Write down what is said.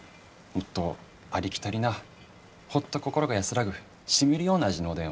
もっとありきたりなホッと心が安らぐしみるような味のおでんを。